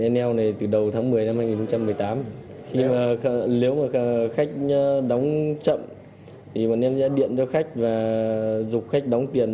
nếu mà khách đóng chậm thì bọn em sẽ điện cho khách và dục khách đóng tiền